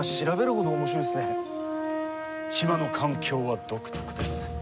島の環境は独特です。